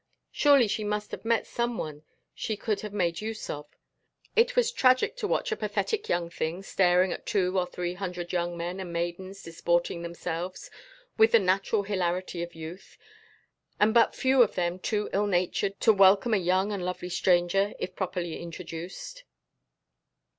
Surely she must have met some one she could have made use of. It was tragic to watch a pathetic young thing staring at two or three hundred young men and maidens disporting themselves with the natural hilarity of youth, and but few of them too ill natured to welcome a young and lovely stranger if properly introduced.